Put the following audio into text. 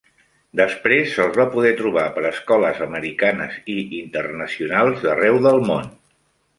Després se'ls va poder trobar per escoles americanes i internacionals d'arreu del món.